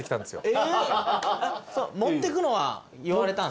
持ってくのは言われたんですか？